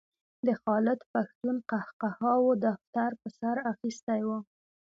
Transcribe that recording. د خالد پښتون قهقهاوو دفتر په سر اخیستی و.